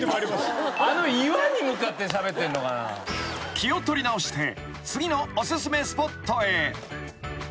［気を取り直して次のお薦めスポットへ］